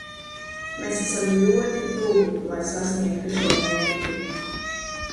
Mēs esam ļoti tuvu, lai sasniegtu šo mērķi.